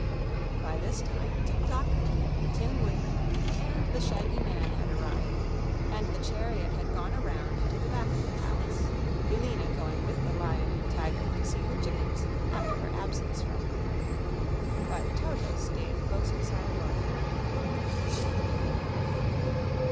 By this time, Tok tok, the Tin Woodman, and the shaggy man had arrived and the chariot had gone around to the back of the palace, Billina going with the Lion and Tiger to see her chickens after her absence from them. But Toto stayed close beside Dorothy.